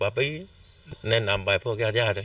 ป้าเปิดให้ตำรวจดูอย่างนี้เลย